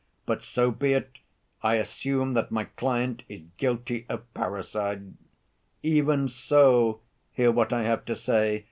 But, so be it, I assume that my client is guilty of parricide. Even so, hear what I have to say.